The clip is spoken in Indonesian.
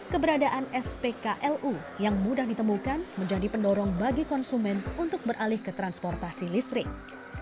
keberadaan spklu yang mudah ditemukan menjadi pendorong bagi konsumen untuk beralih ke transportasi listrik